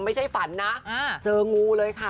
ไม่ใช่ฝันนะเจองูเลยค่ะ